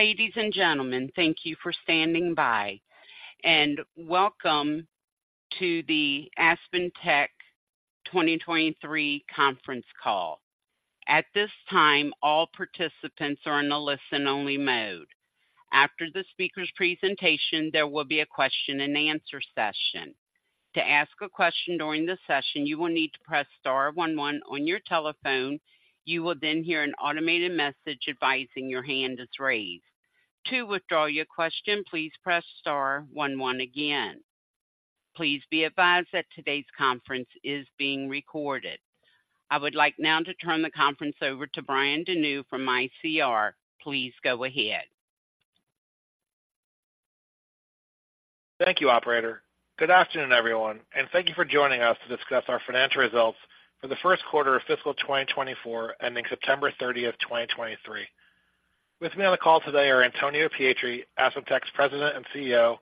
Ladies and gentlemen, thank you for standing by, and welcome to the AspenTech 2023 Conference Call. At this time, all participants are in a listen-only mode. After the speaker's presentation, there will be a question and answer session. To ask a question during the session, you will need to press star one one on your telephone. You will then hear an automated message advising your hand is raised. To withdraw your question, please press star one one again. Please be advised that today's conference is being recorded. I would like now to turn the conference over to Brian Denyeau from ICR. Please go ahead. Thank you, operator. Good afternoon, everyone, and thank you for joining us to discuss our financial results for the first quarter of fiscal 2024, ending September 30, 2023. With me on the call today are Antonio Pietri, AspenTech's President and CEO,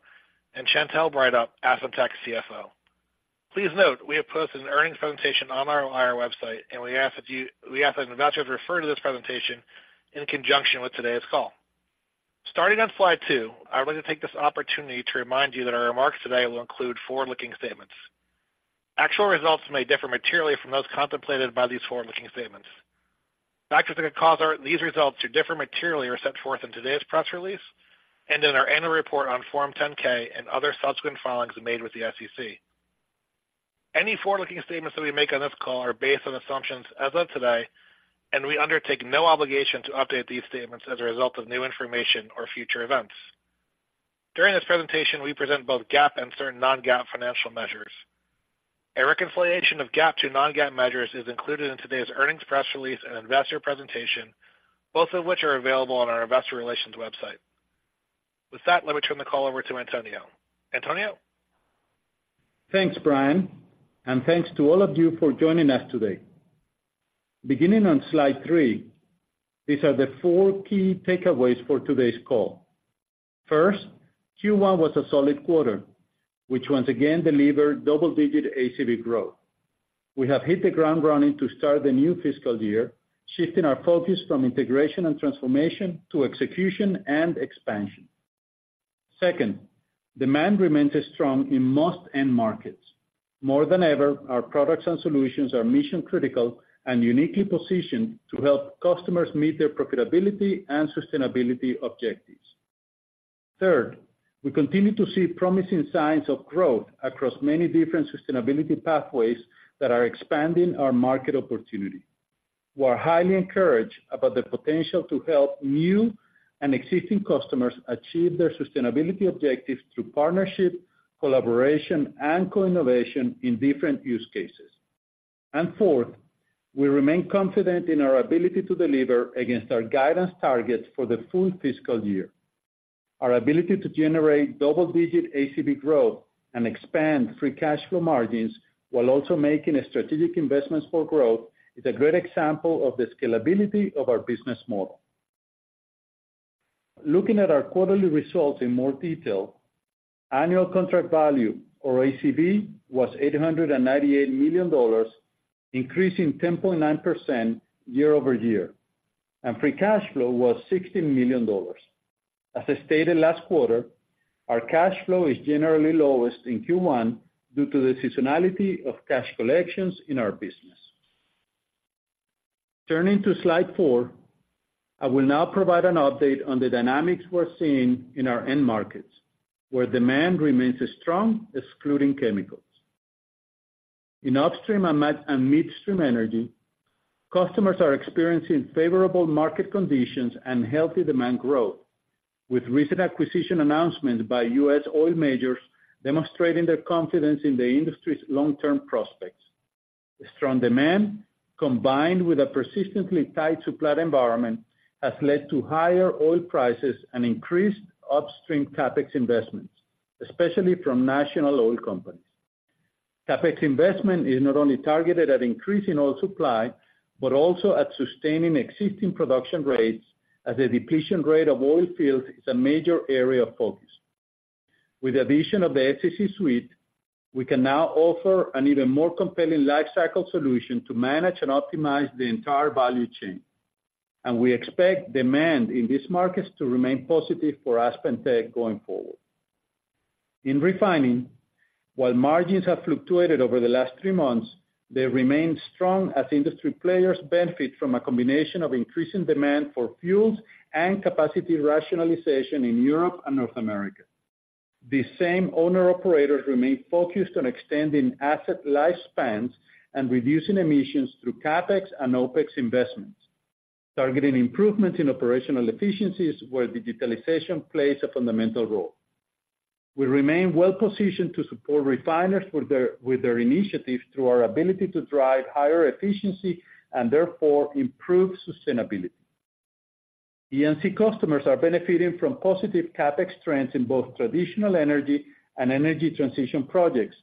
and Chantelle Breithaupt, AspenTech's CFO. Please note, we have posted an earnings presentation on our IR website, and we ask that you- we ask that investors refer to this presentation in conjunction with today's call. Starting on slide 2, I would like to take this opportunity to remind you that our remarks today will include forward-looking statements. Actual results may differ materially from those contemplated by these forward-looking statements. Factors that could cause our-- these results to differ materially are set forth in today's press release and in our annual report on Form 10-K and other subsequent filings made with the SEC. Any forward-looking statements that we make on this call are based on assumptions as of today, and we undertake no obligation to update these statements as a result of new information or future events. During this presentation, we present both GAAP and certain non-GAAP financial measures. A reconciliation of GAAP to non-GAAP measures is included in today's earnings press release and investor presentation, both of which are available on our investor relations website. With that, let me turn the call over to Antonio. Antonio? Thanks, Brian, and thanks to all of you for joining us today. Beginning on slide 3, these are the four key takeaways for today's call. First, Q1 was a solid quarter, which once again delivered double-digit ACV growth. We have hit the ground running to start the new fiscal year, shifting our focus from integration and transformation to execution and expansion. Second, demand remains strong in most end markets. More than ever, our products and solutions are mission-critical and uniquely positioned to help customers meet their profitability and sustainability objectives. Third, we continue to see promising signs of growth across many different sustainability pathways that are expanding our market opportunity. We are highly encouraged about the potential to help new and existing customers achieve their sustainability objectives through partnership, collaboration, and co-innovation in different use cases. Fourth, we remain confident in our ability to deliver against our guidance targets for the full fiscal year. Our ability to generate double-digit ACV growth and expand free cash flow margins while also making strategic investments for growth is a great example of the scalability of our business model. Looking at our quarterly results in more detail, annual contract value, or ACV, was $898 million, increasing 10.9% year-over-year, and free cash flow was $60 million. As I stated last quarter, our cash flow is generally lowest in Q1 due to the seasonality of cash collections in our business. Turning to slide 4, I will now provide an update on the dynamics we're seeing in our end markets, where demand remains strong, excluding chemicals. In upstream and mid- and midstream energy, customers are experiencing favorable market conditions and healthy demand growth, with recent acquisition announcements by U.S. oil majors demonstrating their confidence in the industry's long-term prospects. Strong demand, combined with a persistently tight supply environment, has led to higher oil prices and increased upstream CapEx investments, especially from national oil companies. CapEx investment is not only targeted at increasing oil supply, but also at sustaining existing production rates as the depletion rate of oil fields is a major area of focus. With the addition of the SSE Suite, we can now offer an even more compelling lifecycle solution to manage and optimize the entire value chain. We expect demand in these markets to remain positive for AspenTech going forward. In refining, while margins have fluctuated over the last three months, they remain strong as industry players benefit from a combination of increasing demand for fuels and capacity rationalization in Europe and North America. These same owner-operators remain focused on extending asset lifespans and reducing emissions through CapEx and OpEx investments, targeting improvements in operational efficiencies where digitization plays a fundamental role. We remain well positioned to support refiners with their initiatives through our ability to drive higher efficiency and therefore improve sustainability. E&C customers are benefiting from positive CapEx trends in both traditional energy and energy transition projects,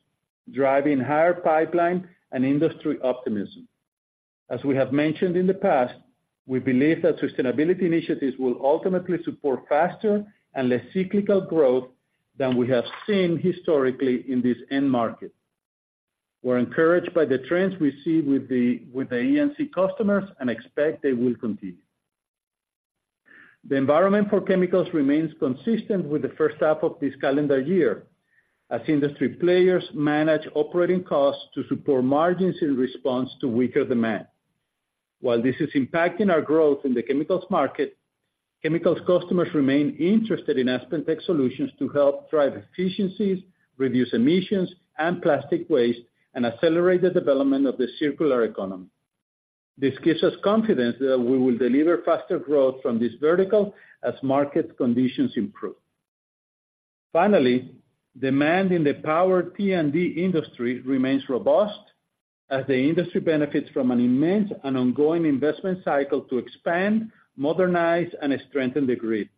driving higher pipeline and industry optimism. As we have mentioned in the past, we believe that sustainability initiatives will ultimately support faster and less cyclical growth than we have seen historically in this end market. We're encouraged by the trends we see with the E&C customers, and expect they will continue. The environment for chemicals remains consistent with the first half of this calendar year, as industry players manage operating costs to support margins in response to weaker demand. While this is impacting our growth in the chemicals market, chemicals customers remain interested in AspenTech solutions to help drive efficiencies, reduce emissions and plastic waste, and accelerate the development of the circular economy. This gives us confidence that we will deliver faster growth from this vertical as market conditions improve. Finally, demand in the power T&D industry remains robust, as the industry benefits from an immense and ongoing investment cycle to expand, modernize, and strengthen the grid.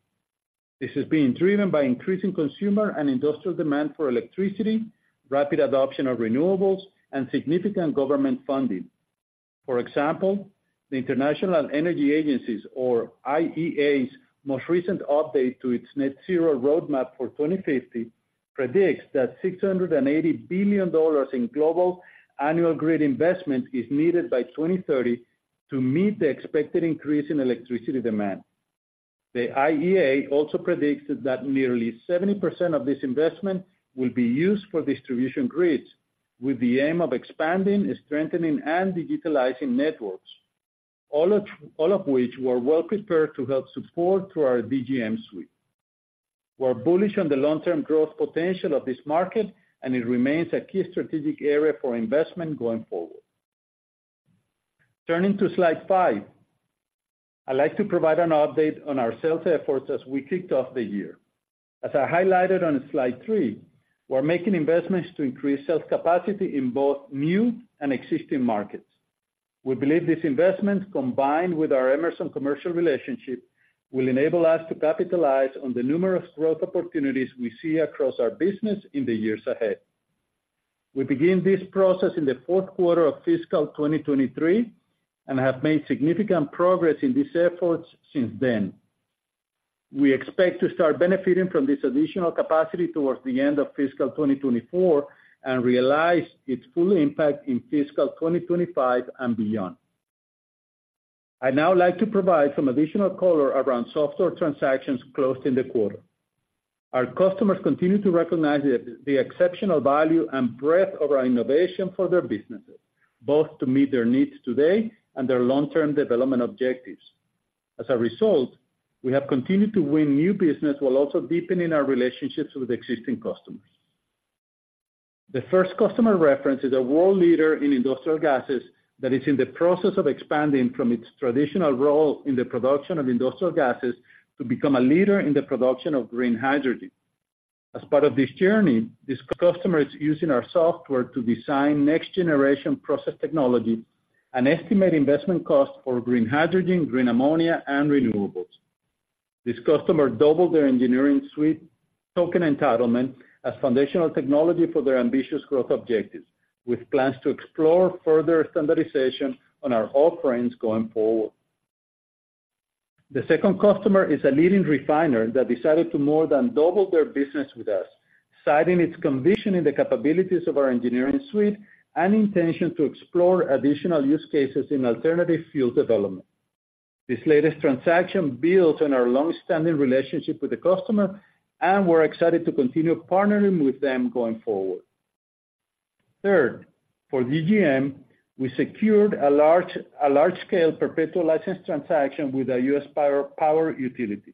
This is being driven by increasing consumer and industrial demand for electricity, rapid adoption of renewables, and significant government funding. For example, the IEA's, International Energy Agency, or IEA, most recent update to its Net Zero roadmap for 2050 predicts that $680 billion in global annual grid investment is needed by 2030 to meet the expected increase in electricity demand. The IEA also predicts that nearly 70% of this investment will be used for distribution grids, with the aim of expanding, strengthening, and digitizing networks, all of which we're well-prepared to help support through our DGM suite. We're bullish on the long-term growth potential of this market, and it remains a key strategic area for investment going forward. Turning to slide 5, I'd like to provide an update on our sales efforts as we kicked off the year. As I highlighted on slide 3, we're making investments to increase sales capacity in both new and existing markets. We believe these investments, combined with our Emerson commercial relationship, will enable us to capitalize on the numerous growth opportunities we see across our business in the years ahead. We began this process in the fourth quarter of fiscal 2023, and have made significant progress in these efforts since then. We expect to start benefiting from this additional capacity towards the end of fiscal 2024, and realize its full impact in fiscal 2025 and beyond. I'd now like to provide some additional color around software transactions closed in the quarter. Our customers continue to recognize the exceptional value and breadth of our innovation for their businesses, both to meet their needs today and their long-term development objectives. As a result, we have continued to win new business while also deepening our relationships with existing customers. The first customer reference is a world leader in industrial gases that is in the process of expanding from its traditional role in the production of industrial gases to become a leader in the production of green hydrogen. As part of this journey, this customer is using our software to design next-generation process technologies and estimate investment costs for green hydrogen, green ammonia, and renewables. This customer doubled their Engineering Suite token entitlement as foundational technology for their ambitious growth objectives, with plans to explore further standardization on our offerings going forward. The second customer is a leading refiner that decided to more than double their business with us, citing its conviction in the capabilities of our Engineering Suite and intention to explore additional use cases in alternative fuel development. This latest transaction builds on our long-standing relationship with the customer, and we're excited to continue partnering with them going forward. Third, for DGM, we secured a large-scale perpetual license transaction with a U.S. power utility.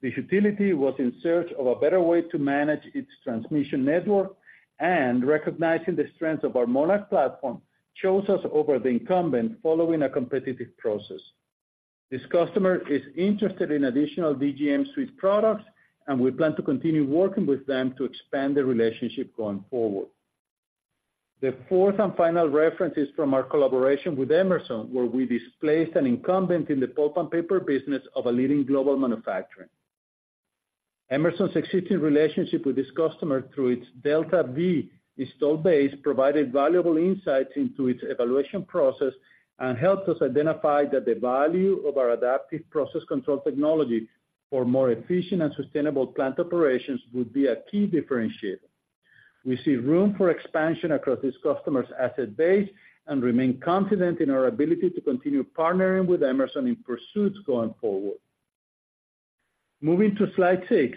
This utility was in search of a better way to manage its transmission network, and recognizing the strength of our Monarch platform, chose us over the incumbent following a competitive process. This customer is interested in additional DGM suite products, and we plan to continue working with them to expand the relationship going forward. The fourth and final reference is from our collaboration with Emerson, where we displaced an incumbent in the pulp and paper business of a leading global manufacturer. Emerson's existing relationship with this customer through its DeltaV installed base provided valuable insights into its evaluation process, and helped us identify that the value of our adaptive process control technology for more efficient and sustainable plant operations would be a key differentiator. We see room for expansion across this customer's asset base and remain confident in our ability to continue partnering with Emerson in pursuits going forward. Moving to slide 6,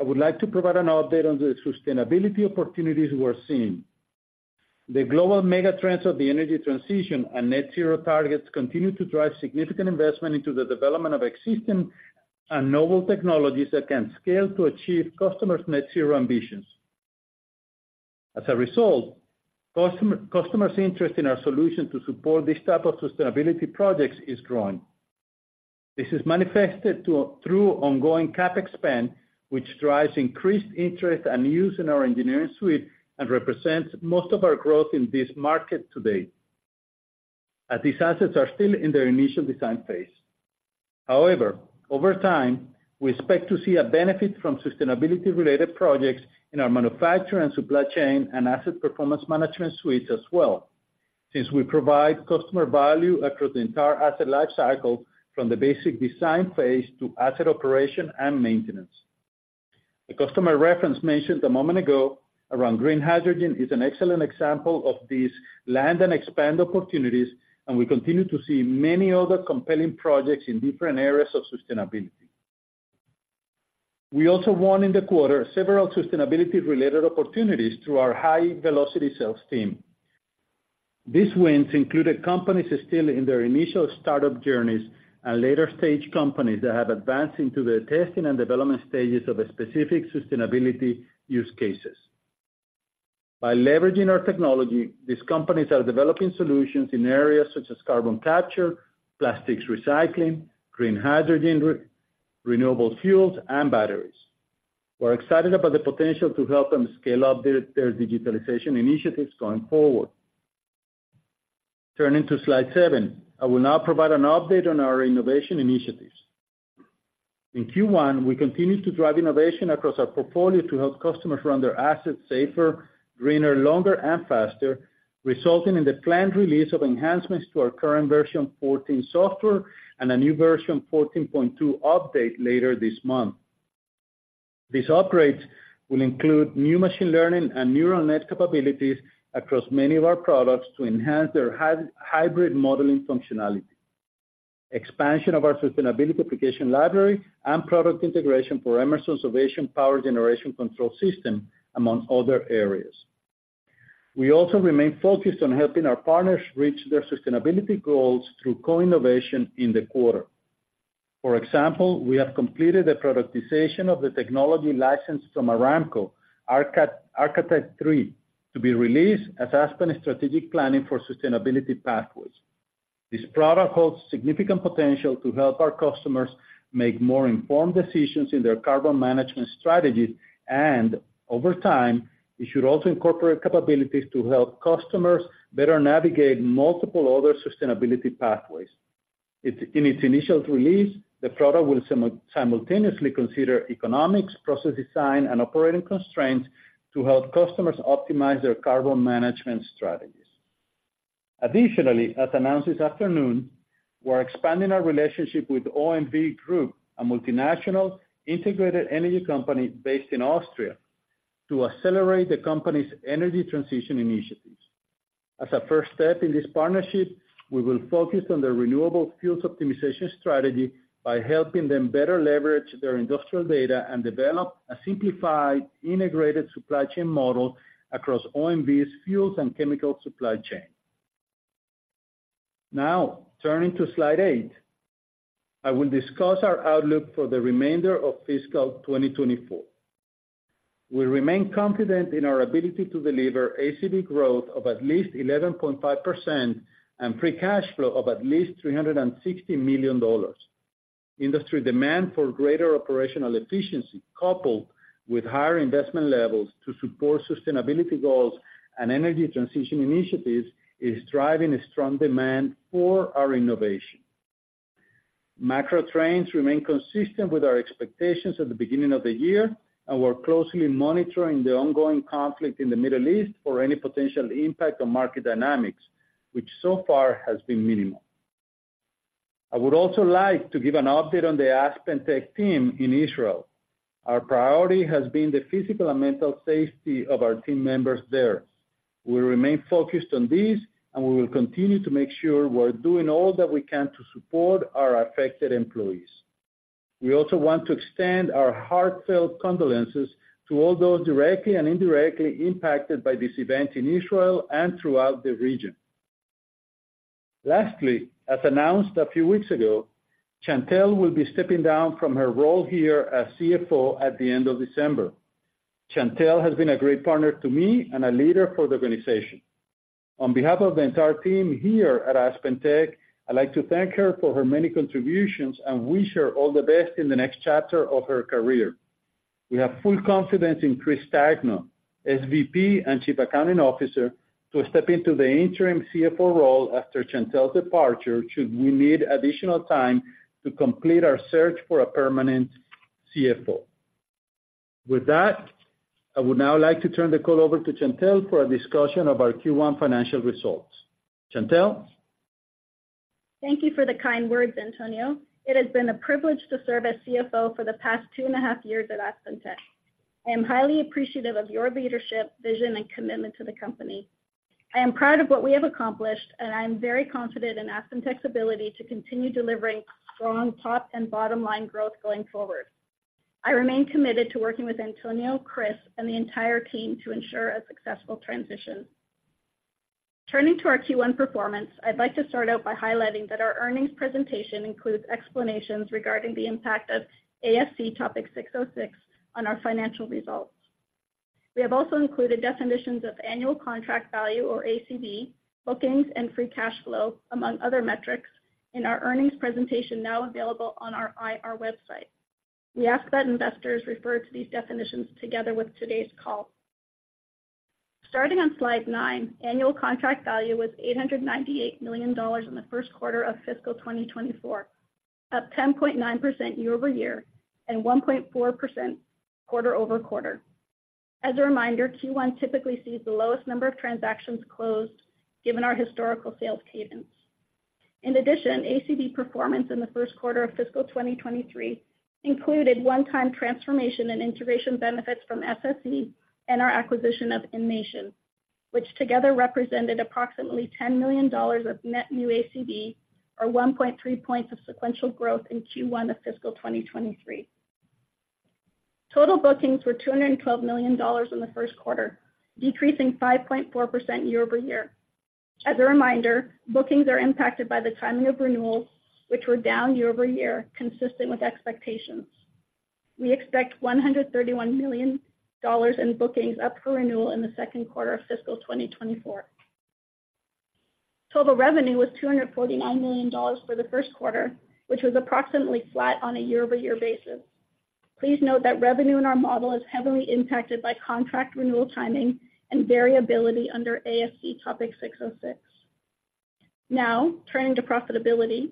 I would like to provide an update on the sustainability opportunities we're seeing. The global megatrends of the energy transition and net-zero targets continue to drive significant investment into the development of existing and novel technologies that can scale to achieve customers' Net Zero ambitions. As a result, customer, customers' interest in our solution to support this type of sustainability projects is growing. This is manifested through ongoing CapEx spend, which drives increased interest and use in our Engineering Suite, and represents most of our growth in this market to date, as these assets are still in their initial design phase. However, over time, we expect to see a benefit from sustainability-related projects in our Manufacturing and Supply Chain and Asset Performance Management suites as well, since we provide customer value across the entire asset life cycle, from the basic design phase to asset operation and maintenance. The customer reference mentioned a moment ago around green hydrogen is an excellent example of these land and expand opportunities, and we continue to see many other compelling projects in different areas of sustainability. We also won in the quarter several sustainability-related opportunities through our High Velocity Sales team. These wins included companies still in their initial startup journeys and later-stage companies that have advanced into the testing and development stages of a specific sustainability use cases. By leveraging our technology, these companies are developing solutions in areas such as carbon capture, plastics recycling, green hydrogen, renewable fuels, and batteries. We're excited about the potential to help them scale up their digitalization initiatives going forward. Turning to slide 7. I will now provide an update on our innovation initiatives. In Q1, we continued to drive innovation across our portfolio to help customers run their assets safer, greener, longer, and faster, resulting in the planned release of enhancements to our current version 14 software and a new version 14.2 update later this month. These upgrades will include new machine learning and neural net capabilities across many of our products to enhance their hybrid modeling functionality, expansion of our sustainability application library, and product integration for Emerson's Ovation power generation control system, among other areas. We also remain focused on helping our partners reach their sustainability goals through co-innovation in the quarter. For example, we have completed the productization of the technology licensed from Saudi Aramco, Architect, to be released as Aspen Strategic Planning for Sustainability Pathways. This product holds significant potential to help our customers make more informed decisions in their carbon management strategies, and over time, it should also incorporate capabilities to help customers better navigate multiple other sustainability pathways. In its initial release, the product will simultaneously consider economics, process design, and operating constraints to help customers optimize their carbon management strategies. Additionally, as announced this afternoon, we're expanding our relationship with OMV Group, a multinational integrated energy company based in Austria, to accelerate the company's energy transition initiatives. As a first step in this partnership, we will focus on their renewable fuels optimization strategy by helping them better leverage their industrial data and develop a simplified, integrated supply chain model across OMV's fuels and chemical supply chain. Now, turning to slide 8, I will discuss our outlook for the remainder of fiscal 2024. We remain confident in our ability to deliver ACV growth of at least 11.5% and free cash flow of at least $360 million. Industry demand for greater operational efficiency, coupled with higher investment levels to support sustainability goals and energy transition initiatives, is driving a strong demand for our innovation. Macro trends remain consistent with our expectations at the beginning of the year, and we're closely monitoring the ongoing conflict in the Middle East for any potential impact on market dynamics, which so far has been minimal. I would also like to give an update on the AspenTech team in Israel. Our priority has been the physical and mental safety of our team members there. We remain focused on this, and we will continue to make sure we're doing all that we can to support our affected employees. We also want to extend our heartfelt condolences to all those directly and indirectly impacted by this event in Israel and throughout the region. Lastly, as announced a few weeks ago, Chantelle will be stepping down from her role here as CFO at the end of December. Chantelle has been a great partner to me and a leader for the organization. On behalf of the entire team here at AspenTech, I'd like to thank her for her many contributions and wish her all the best in the next chapter of her career. We have full confidence in Chris Stagno, SVP and Chief Accounting Officer, to step into the interim CFO role after Chantelle's departure, should we need additional time to complete our search for a permanent CFO. With that, I would now like to turn the call over to Chantelle for a discussion of our Q1 financial results. Chantelle? Thank you for the kind words, Antonio. It has been a privilege to serve as CFO for the past 2.5 years at AspenTech. I am highly appreciative of your leadership, vision, and commitment to the company. I am proud of what we have accomplished, and I am very confident in AspenTech's ability to continue delivering strong top and bottom-line growth going forward. I remain committed to working with Antonio, Chris, and the entire team to ensure a successful transition. Turning to our Q1 performance, I'd like to start out by highlighting that our earnings presentation includes explanations regarding the impact of ASC Topic 606 on our financial results. We have also included definitions of annual contract value, or ACV, bookings, and free cash flow, among other metrics, in our earnings presentation now available on our IR website. We ask that investors refer to these definitions together with today's call. Starting on slide 9, annual contract value was $898 million in the first quarter of fiscal 2024, up 10.9% year-over-year and 1.4% quarter-over-quarter. As a reminder, Q1 typically sees the lowest number of transactions closed, given our historical sales cadence.... In addition, ACV performance in the first quarter of fiscal 2023 included one-time transformation and integration benefits from SSE and our acquisition of Inmation, which together represented approximately $10 million of net new ACV, or 1.3 points of sequential growth in Q1 of fiscal 2023. Total bookings were $212 million in the first quarter, decreasing 5.4% year-over-year. As a reminder, bookings are impacted by the timing of renewals, which were down year-over-year, consistent with expectations. We expect $131 million in bookings up for renewal in the second quarter of fiscal 2024. Total revenue was $249 million for the first quarter, which was approximately flat on a year-over-year basis. Please note that revenue in our model is heavily impacted by contract renewal timing and variability under ASC Topic 606. Now, turning to profitability.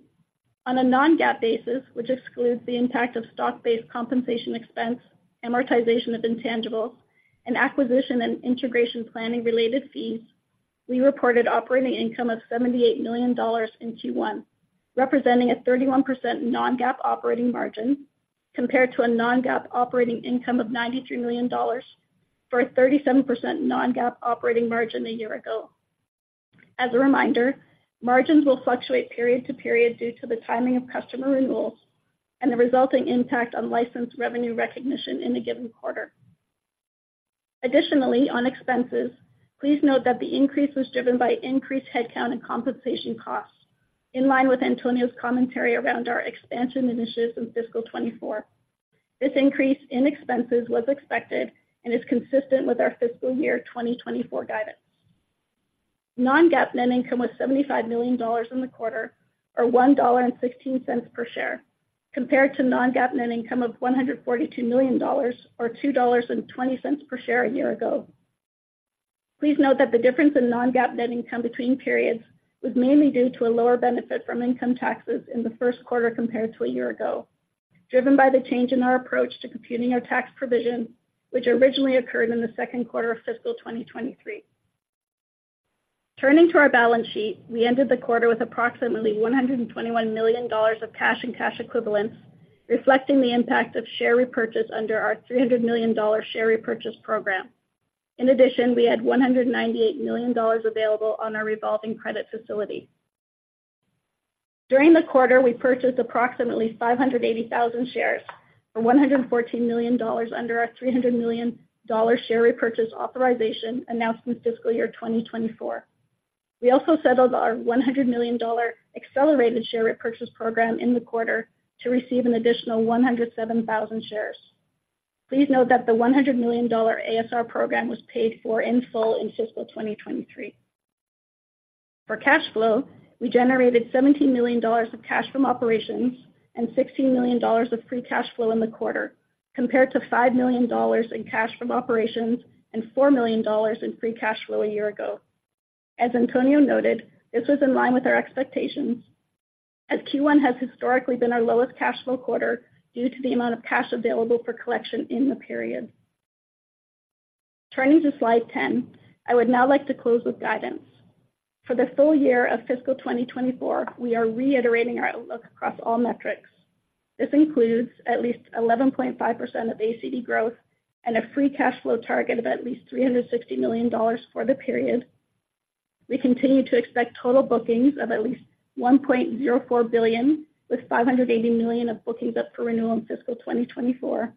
On a non-GAAP basis, which excludes the impact of stock-based compensation expense, amortization of intangibles, and acquisition and integration planning related fees, we reported operating income of $78 million in Q1, representing a 31% non-GAAP operating margin, compared to a non-GAAP operating income of $93 million for a 37% non-GAAP operating margin a year ago. As a reminder, margins will fluctuate period to period due to the timing of customer renewals and the resulting impact on licensed revenue recognition in a given quarter. Additionally, on expenses, please note that the increase was driven by increased headcount and compensation costs, in line with Antonio's commentary around our expansion initiatives in fiscal 2024. This increase in expenses was expected and is consistent with our fiscal year 2024 guidance. Non-GAAP net income was $75 million in the quarter, or $1.16 per share, compared to non-GAAP net income of $142 million, or $2.20 per share a year ago. Please note that the difference in non-GAAP net income between periods was mainly due to a lower benefit from income taxes in the first quarter compared to a year ago, driven by the change in our approach to computing our tax provision, which originally occurred in the second quarter of fiscal 2023. Turning to our balance sheet, we ended the quarter with approximately $121 million of cash and cash equivalents, reflecting the impact of share repurchases under our $300 million share repurchase program. In addition, we had $198 million available on our revolving credit facility. During the quarter, we purchased approximately 580,000 shares for $114 million under our $300 million share repurchase authorization announced in fiscal year 2024. We also settled our $100 million accelerated share repurchase program in the quarter to receive an additional 107,000 shares. Please note that the $100 million ASR program was paid for in full in fiscal 2023. For cash flow, we generated $17 million of cash from operations and $16 million of free cash flow in the quarter, compared to $5 million in cash from operations and $4 million in free cash flow a year ago. As Antonio noted, this was in line with our expectations, as Q1 has historically been our lowest cash flow quarter due to the amount of cash available for collection in the period. Turning to slide 10, I would now like to close with guidance. For the full year of fiscal 2024, we are reiterating our outlook across all metrics. This includes at least 11.5% ACV growth and a free cash flow target of at least $360 million for the period. We continue to expect total bookings of at least $1.04 billion, with $580 million of bookings up for renewal in fiscal 2024.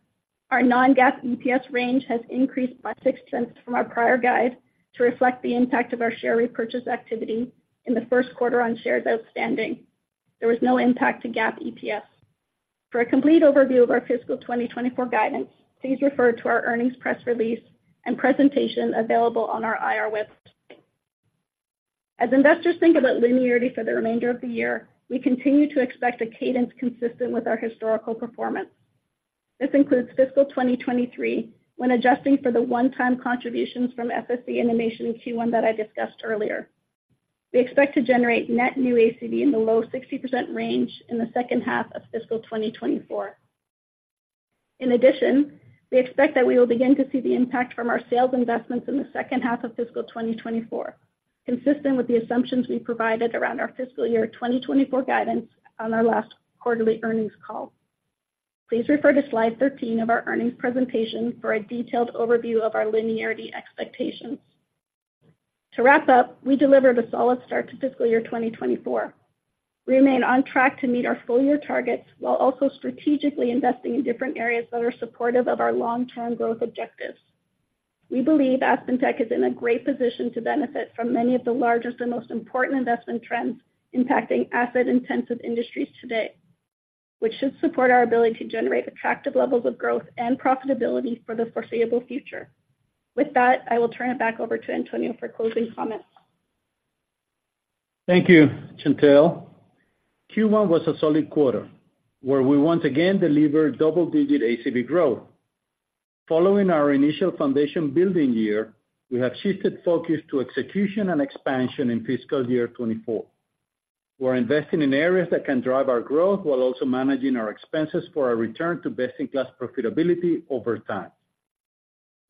Our non-GAAP EPS range has increased by $0.06 from our prior guide to reflect the impact of our share repurchase activity in the first quarter on shares outstanding. There was no impact to GAAP EPS. For a complete overview of our fiscal 2024 guidance, please refer to our earnings press release and presentation available on our IR website. As investors think about linearity for the remainder of the year, we continue to expect a cadence consistent with our historical performance. This includes fiscal 2023, when adjusting for the one-time contributions from SSE Inimation in Q1 that I discussed earlier. We expect to generate net new ACV in the low 60% range in the second half of fiscal 2024. In addition, we expect that we will begin to see the impact from our sales investments in the second half of fiscal 2024, consistent with the assumptions we provided around our fiscal year 2024 guidance on our last quarterly earnings call. Please refer to slide 13 of our earnings presentation for a detailed overview of our linearity expectations. To wrap up, we delivered a solid start to fiscal year 2024. We remain on track to meet our full year targets, while also strategically investing in different areas that are supportive of our long-term growth objectives. We believe AspenTech is in a great position to benefit from many of the largest and most important investment trends impacting asset-intensive industries today, which should support our ability to generate attractive levels of growth and profitability for the foreseeable future. With that, I will turn it back over to Antonio for closing comments. Thank you, Chantelle. Q1 was a solid quarter, where we once again delivered double-digit ACV growth. Following our initial foundation building year, we have shifted focus to execution and expansion in fiscal year 2024. We're investing in areas that can drive our growth while also managing our expenses for a return to best-in-class profitability over time.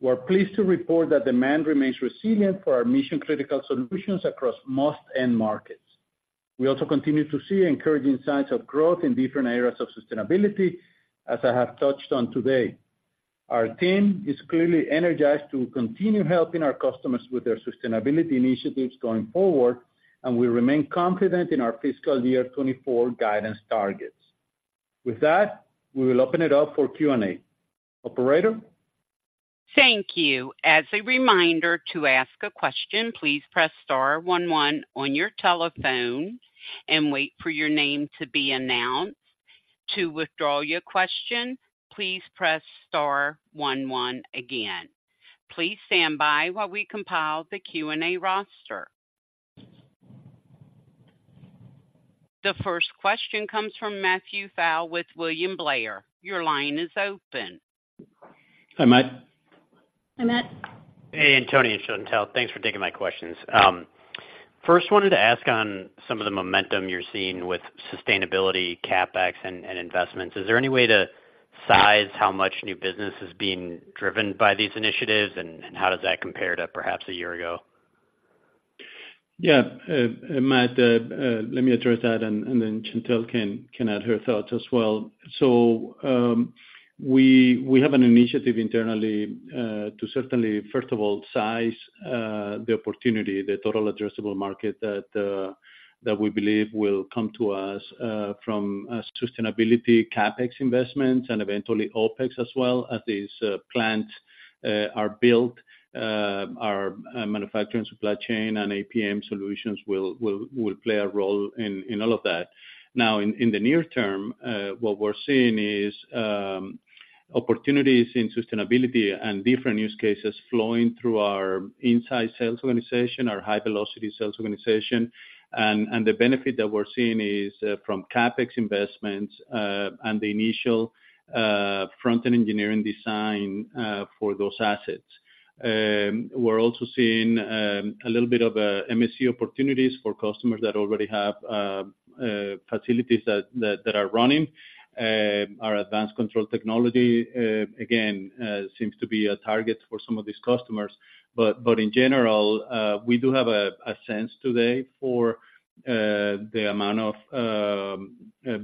We're pleased to report that demand remains resilient for our mission-critical solutions across most end markets. We also continue to see encouraging signs of growth in different areas of sustainability, as I have touched on today. Our team is clearly energized to continue helping our customers with their sustainability initiatives going forward, and we remain confident in our fiscal year 2024 guidance targets. With that, we will open it up for Q&A. Operator? Thank you. As a reminder, to ask a question, please press star one one on your telephone and wait for your name to be announced. To withdraw your question, please press star one one again. Please stand by while we compile the Q&A roster. The first question comes from Matthew Pfau with William Blair. Your line is open. Hi, Matt. Hi, Matt. Hey, Antonio and Chantelle, thanks for taking my questions. First, wanted to ask on some of the momentum you're seeing with sustainability, CapEx, and, and investments. Is there any way to size how much new business is being driven by these initiatives, and, and how does that compare to perhaps a year ago? Yeah, Matt, let me address that, and then Chantelle can add her thoughts as well. So, we have an initiative internally to certainly, first of all, size the opportunity, the total addressable market that we believe will come to us from a sustainability CapEx investments and eventually OpEx as well, as these plants are built, our manufacturing supply chain and APM solutions will play a role in all of that. Now, in the near term, what we're seeing is opportunities in sustainability and different use cases flowing through our inside sales organization, our high-velocity sales organization. And the benefit that we're seeing is from CapEx investments and the initial front-end engineering design for those assets. We're also seeing a little bit of a MSC opportunities for customers that already have facilities that are running. Our advanced control technology again seems to be a target for some of these customers. But in general, we do have a sense today for the amount of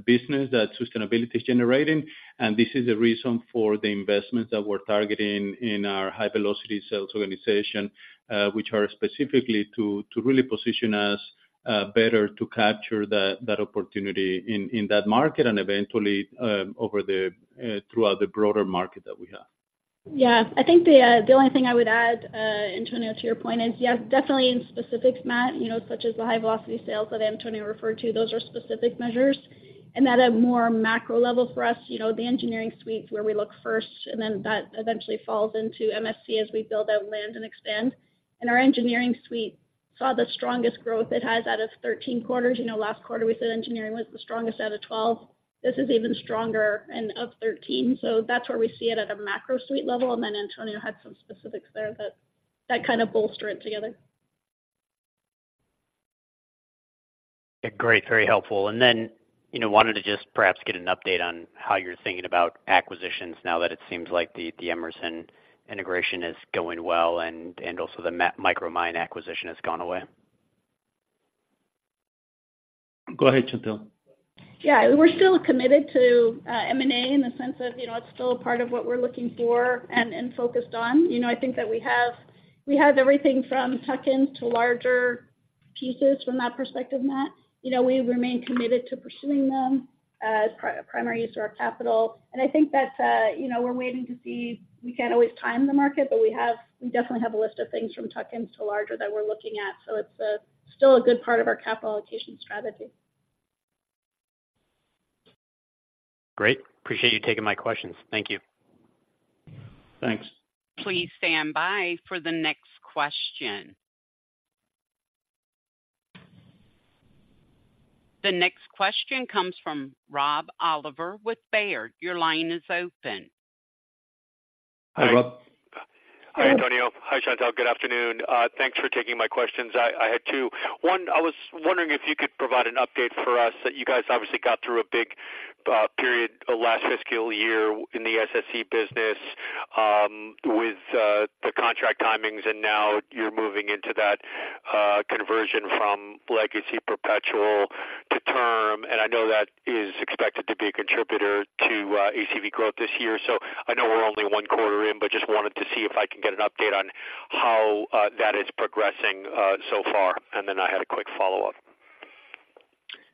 business that sustainability is generating, and this is the reason for the investments that we're targeting in our high-velocity sales organization, which are specifically to really position us better to capture that opportunity in that market and eventually throughout the broader market that we have. Yeah. I think the only thing I would add, Antonio, to your point is, yes, definitely in specifics, Matt, you know, such as the high-velocity sales that Antonio referred to, those are specific measures. And at a more macro level for us, you know, the Engineering Suite where we look first, and then that eventually falls into MSC as we build out land and expand. And our engineering suite saw the strongest growth it has out of 13 quarters. You know, last quarter, we said engineering was the strongest out of 12. This is even stronger and of 13. So that's where we see it at a macro suite level, and then Antonio had some specifics there that kind of bolster it together. Great, very helpful. Then, you know, wanted to just perhaps get an update on how you're thinking about acquisitions now that it seems like the Emerson integration is going well and also the Micromine acquisition has gone away? Go ahead, Chantelle. Yeah, we're still committed to M&A in the sense of, you know, it's still a part of what we're looking for and focused on. You know, I think that we have everything from tuck-ins to larger pieces from that perspective, Matt. You know, we remain committed to pursuing them as primary use of our capital. And I think that, you know, we're waiting to see. We can't always time the market, but we definitely have a list of things from tuck-ins to larger that we're looking at, so it's still a good part of our capital allocation strategy. Great. Appreciate you taking my questions. Thank you. Thanks. Please stand by for the next question. The next question comes from Rob Oliver with Baird. Your line is open. Hi, Rob. Hi, Antonio. Hi, Chantelle. Good afternoon. Thanks for taking my questions. I had two. One, I was wondering if you could provide an update for us, that you guys obviously got through a big period last fiscal year in the SSE business, with the contract timings, and now you're moving into that conversion from legacy perpetual to term. And I know that is expected to be a contributor to ACV growth this year. So I know we're only one quarter in, but just wanted to see if I can get an update on how that is progressing so far. And then I had a quick follow-up....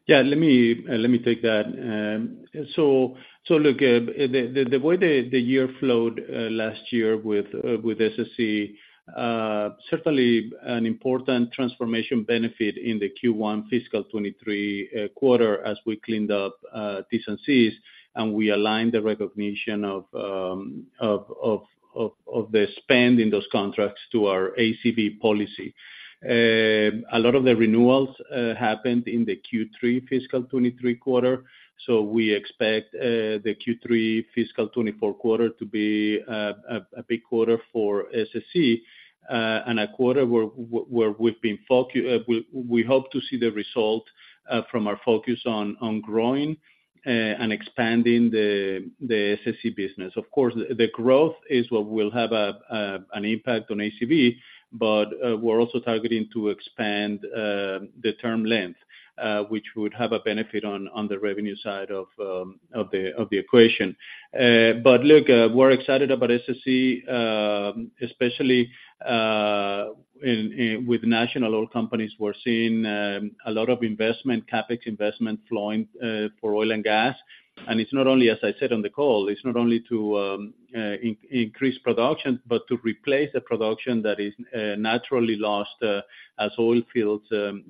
Yeah, let me, let me take that. So, so look, the way the year flowed last year with SSE, certainly an important transformation benefit in the Q1 fiscal 2023 quarter as we cleaned up T&Cs, and we aligned the recognition of the spend in those contracts to our ACV policy. A lot of the renewals happened in the Q3 fiscal 2023 quarter, so we expect the Q3 fiscal 2024 quarter to be a big quarter for SSE, and a quarter where we've been focusing, we hope to see the result from our focus on growing and expanding the SSE business. Of course, the growth is what will have an impact on ACV, but we're also targeting to expand the term length, which would have a benefit on the revenue side of the equation. But look, we're excited about SSE, especially with national oil companies, we're seeing a lot of investment, CapEx investment flowing, for oil and gas. And it's not only, as I said on the call, it's not only to increase production, but to replace the production that is naturally lost, as oil fields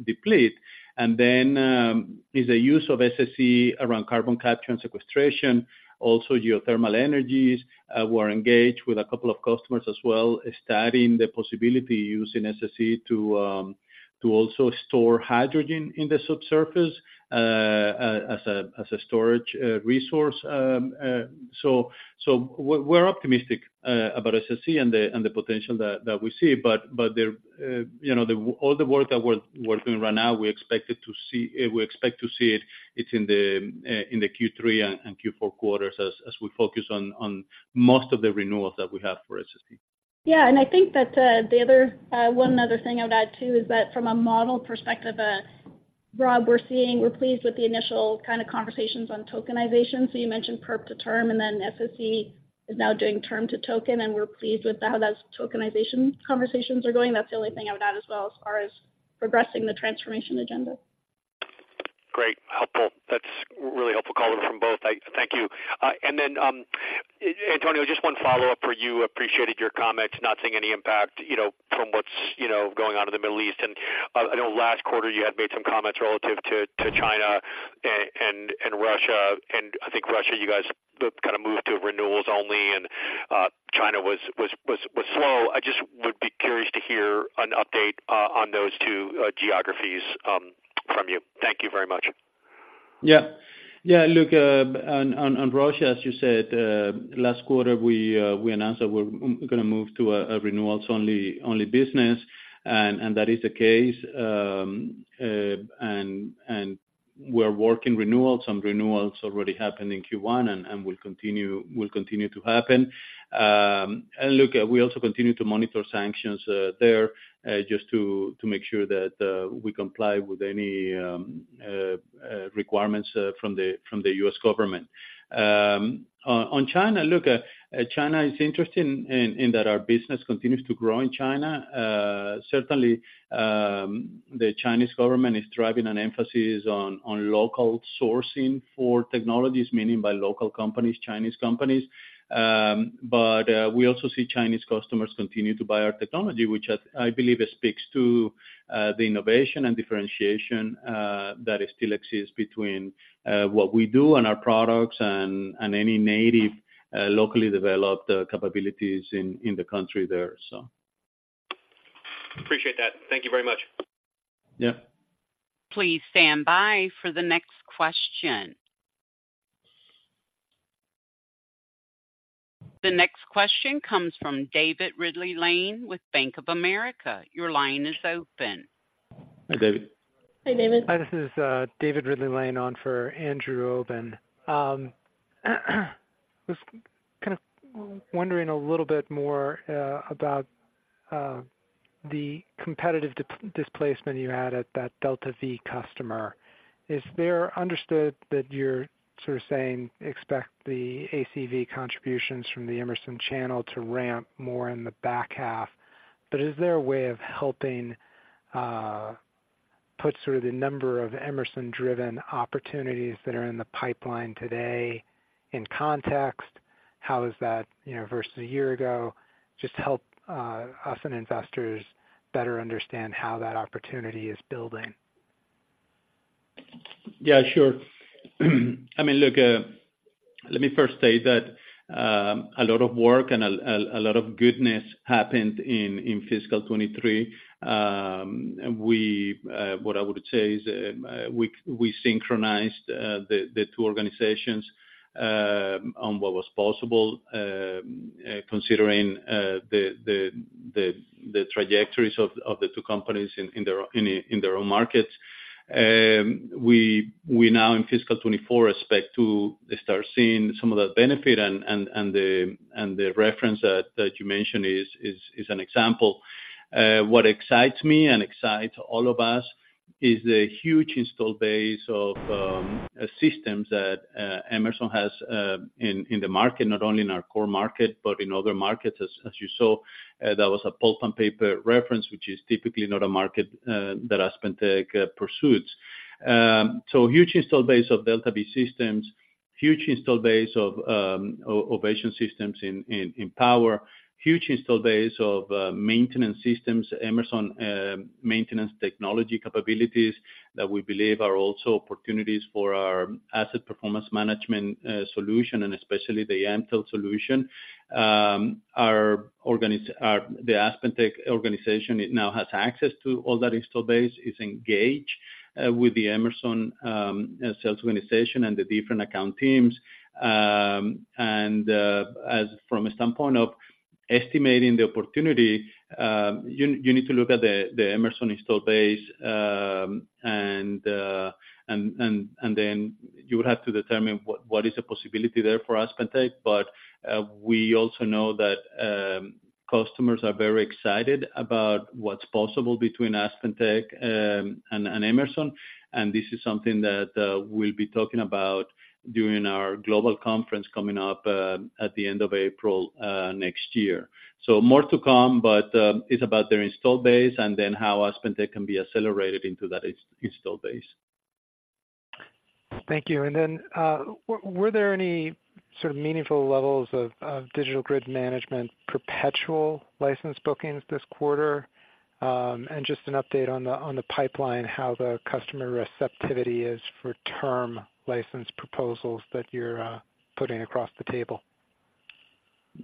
deplete. And then is the use of SSE around carbon capture and sequestration, also geothermal energies. We're engaged with a couple of customers as well, studying the possibility of using SSE to also store hydrogen in the subsurface, as a storage resource. So, we're optimistic about SSE and the potential that we see. But there, you know, the work that we're doing right now, we expect to see it in the Q3 and Q4 quarters as we focus on most of the renewals that we have for SSE. Yeah, and I think that the other one other thing I would add, too, is that from a model perspective, Rob, we're pleased with the initial kind of conversations on tokenization. So you mentioned perpetual to term, and then SSE is now doing term to token, and we're pleased with how those tokenization conversations are going. That's the only thing I would add as well, as far as progressing the transformation agenda. Great, helpful. That's really helpful color from both. Thank you. And then, Antonio, just one follow-up for you. Appreciated your comments, not seeing any impact, you know, from what's, you know, going on in the Middle East. And I know last quarter you had made some comments relative to China and Russia, and I think Russia, you guys kind of moved to renewals only, and China was slow. I just would be curious to hear an update on those two geographies from you. Thank you very much. Yeah. Yeah, look, on Russia, as you said, last quarter, we announced that we're gonna move to a renewals-only business, and that is the case. And we're working renewals. Some renewals already happened in Q1 and will continue to happen. And look, we also continue to monitor sanctions there, just to make sure that we comply with any requirements from the U.S. government. On China, look, China is interesting in that our business continues to grow in China. Certainly, the Chinese government is driving an emphasis on local sourcing for technologies, meaning by local companies, Chinese companies. But, we also see Chinese customers continue to buy our technology, which I believe speaks to the innovation and differentiation that still exists between what we do and our products and any native locally developed capabilities in the country there, so. Appreciate that. Thank you very much. Yeah. Please stand by for the next question. The next question comes from David Ridley-Lane with Bank of America. Your line is open. Hi, David. Hi, David. Hi, this is David Ridley-Lane, on for Andrew Obin. Just kind of wondering a little bit more about the competitive displacement you had at that DeltaV customer. Is there... Understood that you're sort of saying, expect the ACV contributions from the Emerson channel to ramp more in the back half, but is there a way of helping put sort of the number of Emerson-driven opportunities that are in the pipeline today in context? How is that, you know, versus a year ago? Just help us and investors better understand how that opportunity is building. Yeah, sure. I mean, look, let me first say that a lot of work and a lot of goodness happened in fiscal 2023. And what I would say is we synchronized the two organizations on what was possible considering the trajectories of the two companies in their own markets. We now in fiscal 2024 expect to start seeing some of that benefit, and the reference that you mentioned is an example. What excites me and excites all of us is the huge installed base of systems that Emerson has in the market, not only in our core market, but in other markets. As you saw, that was a pulp and paper reference, which is typically not a market that AspenTech pursues. So huge install base of DeltaV systems, huge install base of Ovation systems in power, huge install base of maintenance systems, Emerson maintenance technology capabilities that we believe are also opportunities for our asset performance management solution, and especially the Mtell solution. Our organization, the AspenTech organization, it now has access to all that install base, is engaged with the Emerson sales organization and the different account teams. And as from a standpoint of estimating the opportunity, you need to look at the Emerson install base, and then you would have to determine what is a possibility there for AspenTech. But, we also know that customers are very excited about what's possible between AspenTech and Emerson. And this is something that we'll be talking about during our global conference coming up at the end of April next year. So more to come, but it's about their install base, and then how AspenTech can be accelerated into that install base. Thank you. And then, were there any sort of meaningful levels of Digital Grid Management perpetual license bookings this quarter? And just an update on the pipeline, how the customer receptivity is for term license proposals that you're putting across the table.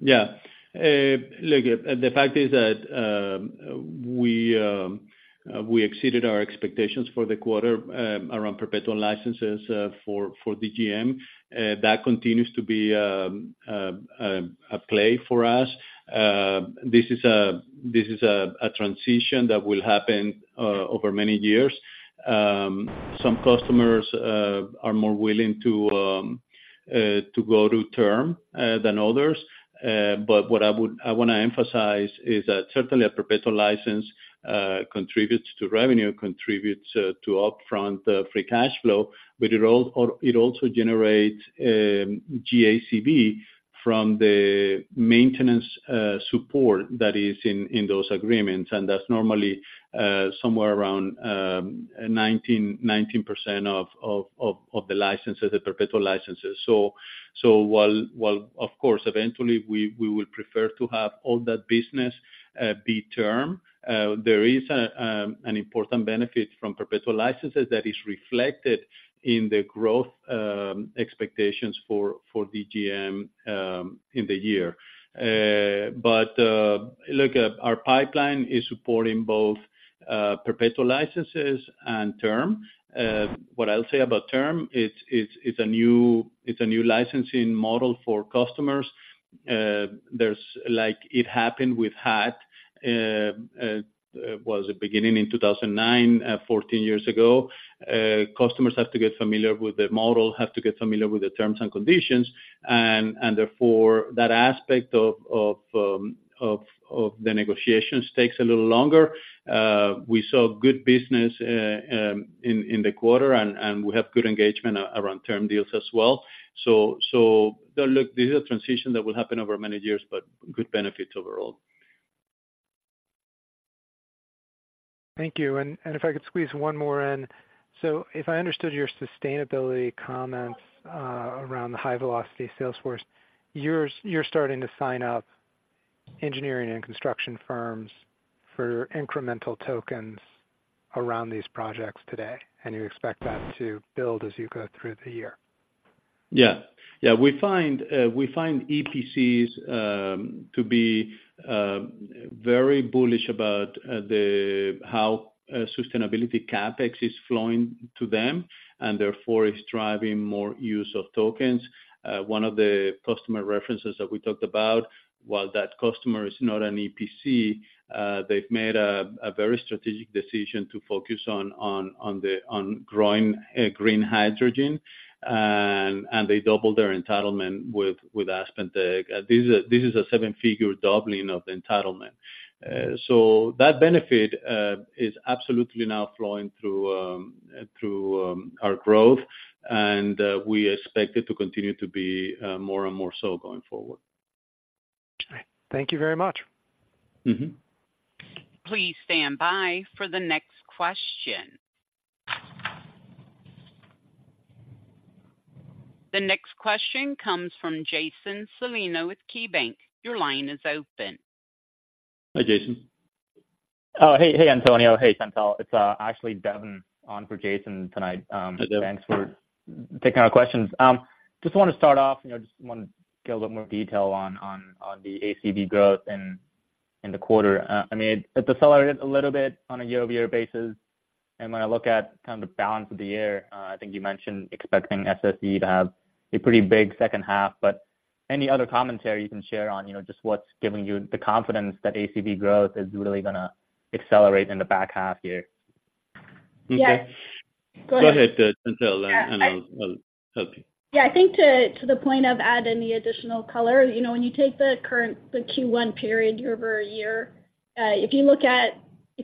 Yeah. Look, the fact is that we exceeded our expectations for the quarter around perpetual licenses for DGM. That continues to be a play for us. This is a transition that will happen over many years. Some customers are more willing to go to term than others. But what I would- I wanna emphasize is that certainly, a perpetual license contributes to revenue, contributes to upfront free cash flow, but it al- or it also generates ACV from the maintenance support that is in those agreements, and that's normally somewhere around 19% of the licenses, the perpetual licenses. So while, of course, eventually we would prefer to have all that business be term, there is an important benefit from perpetual licenses that is reflected in the growth expectations for DGM in the year. But look, our pipeline is supporting both perpetual licenses and term. What I'll say about term, it's a new licensing model for customers. There's like it happened with HAT, was it beginning in 2009, 14 years ago. Customers have to get familiar with the model, have to get familiar with the terms and conditions, and therefore, that aspect of the negotiations takes a little longer. We saw good business in the quarter, and we have good engagement around term deals as well. So look, this is a transition that will happen over many years, but good benefits overall. Thank you. And if I could squeeze one more in. So if I understood your sustainability comments around the high-velocity sales force, you're starting to sign up engineering and construction firms for incremental tokens around these projects today, and you expect that to build as you go through the year? Yeah. Yeah, we find EPCs to be very bullish about how sustainability CapEx is flowing to them, and therefore it's driving more use of tokens. One of the customer references that we talked about, while that customer is not an EPC, they've made a very strategic decision to focus on growing green hydrogen, and they doubled their entitlement with AspenTech. This is a seven-figure doubling of the entitlement. So that benefit is absolutely now flowing through our growth, and we expect it to continue to be more and more so going forward. Thank you very much. Mm-hmm. Please stand by for the next question. The next question comes from Jason Celino with KeyBank. Your line is open. Hi, Jason. Oh, hey, hey, Antonio. Hey, Chantelle. It's actually Devin on for Jason tonight. Hi, Devin. Thanks for taking our questions. Just wanna start off, you know, just wanna get a little more detail on the ACV growth in the quarter. I mean, it decelerated a little bit on a year-over-year basis, and when I look at kind of the balance of the year, I think you mentioned expecting SSE to have a pretty big second half, but any other commentary you can share on, you know, just what's giving you the confidence that ACV growth is really gonna accelerate in the back half year? Okay. Yeah, go ahead. Go ahead, Chantelle, and I'll help you. Yeah, I think to the point of adding the additional color, you know, when you take the current, the Q1 period year over year, if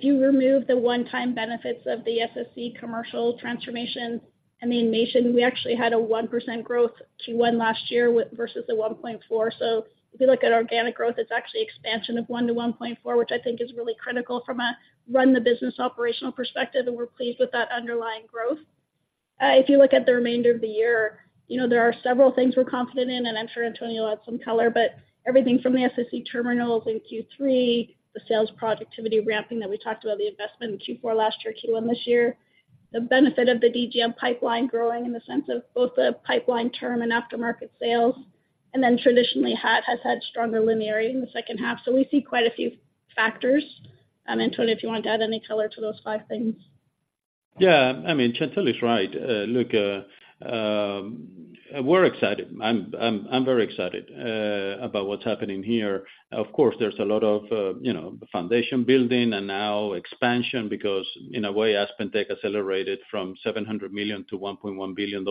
you remove the one-time benefits of the SSE commercial transformation-... and the nation, we actually had a 1% growth Q1 last year with versus the 1.4. So if you look at organic growth, it's actually expansion of 1-1.4, which I think is really critical from a run the business operational perspective, and we're pleased with that underlying growth. If you look at the remainder of the year, you know, there are several things we're confident in, and I'm sure Antonio will add some color, but everything from the SSE terminals in Q3, the sales productivity ramping that we talked about, the investment in Q4 last year, Q1 this year, the benefit of the DGM pipeline growing in the sense of both the pipeline term and aftermarket sales, and then traditionally, HAT has had stronger linearity in the second half. We see quite a few factors, and Antonio, if you want to add any color to those five things. Yeah, I mean, Chantelle is right. Look, we're excited. I'm very excited about what's happening here. Of course, there's a lot of, you know, foundation building and now expansion, because in a way, AspenTech accelerated from $700 million to $1.1 billion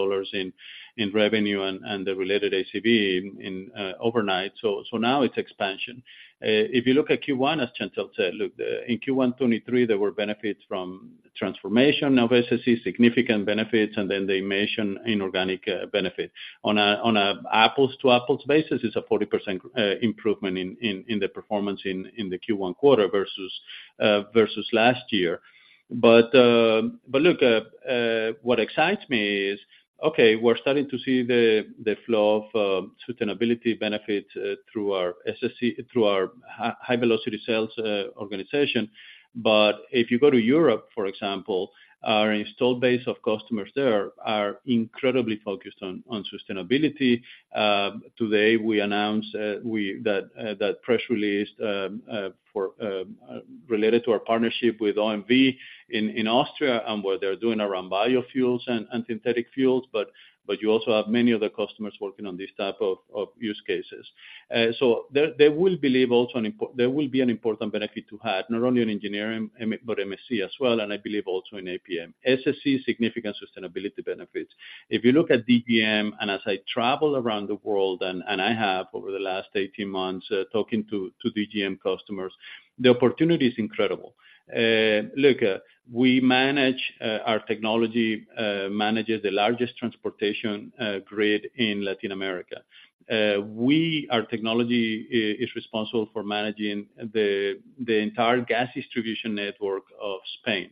in revenue and the related ACV overnight. So now it's expansion. If you look at Q1, as Chantelle said, look, in Q1 2023, there were benefits from transformation of SSE, significant benefits, and then they mentioned inorganic benefit. On an apples-to-apples basis, it's a 40% improvement in the performance in the Q1 quarter versus last year. But, but look, what excites me is, okay, we're starting to see the flow of sustainability benefits through our High Velocity Sales organization. But if you go to Europe, for example, our installed base of customers there are incredibly focused on sustainability. Today, we announced that press release related to our partnership with OMV in Austria, and what they're doing around biofuels and synthetic fuels, but you also have many other customers working on these type of use cases. So there will also be an important benefit to HAT, not only in engineering, but MSC as well, and I believe also in APM. So, significant sustainability benefits. If you look at DGM, and as I travel around the world, and I have over the last 18 months talking to DGM customers, the opportunity is incredible. Look, our technology manages the largest transportation grid in Latin America. Our technology is responsible for managing the entire gas distribution network of Spain.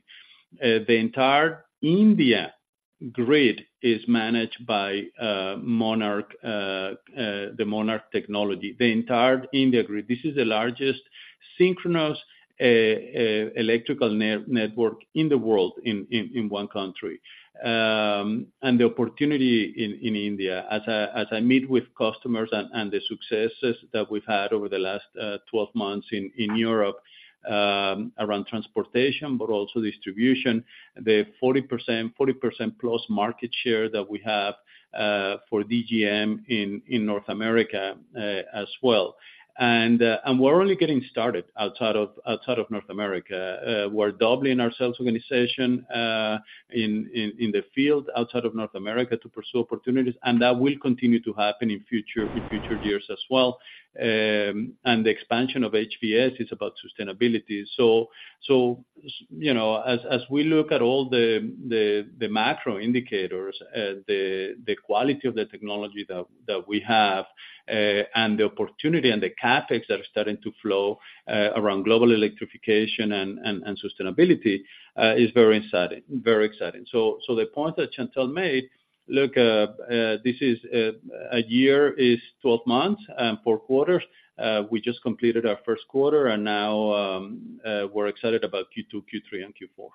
The entire Indian grid is managed by Monarch, the Monarch technology, the entire Indian grid. This is the largest synchronous electrical network in the world, in one country. And the opportunity in India, as I meet with customers and the successes that we've had over the last 12 months in Europe, around transportation, but also distribution, the 40%, 40% plus market share that we have for DGM in North America, as well. And we're only getting started outside of North America. We're doubling our sales organization in the field outside of North America to pursue opportunities, and that will continue to happen in future years as well. And the expansion of HVS is about sustainability. You know, as we look at all the macro indicators, the quality of the technology that we have, and the opportunity and the CapEx that are starting to flow around global electrification and sustainability is very exciting, very exciting. So the point that Chantelle made, look, this is a year is 12 months and four quarters. We just completed our first quarter, and now we're excited about Q2, Q3, and Q4.